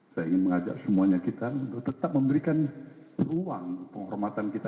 saya ingin mengajak semuanya kita untuk tetap memberikan ruang penghormatan kita